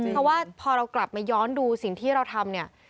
เพราะว่าพอเรากลับมาย้อนดูสิ่งที่เราทำเนี่ย